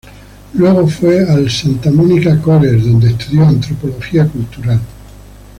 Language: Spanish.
Luego fue al Santa Monica College, donde estudió antropología cultural.